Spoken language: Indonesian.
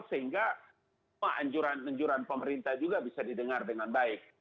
sehingga semua anjuran anjuran pemerintah juga bisa didengar dengan baik